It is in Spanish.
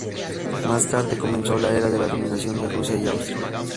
Más tarde comenzó la era de la dominación de Rusia y Austria.